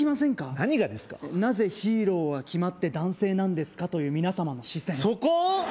何がですか「なぜヒーローは決まって男性なんですか」という皆様の視線そこ？